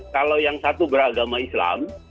kalau yang satu beragama islam